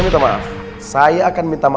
yayudah yudah saya bantuin ya emak